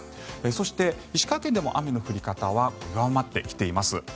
そして、石川県でも雨の降り方は弱まってきています。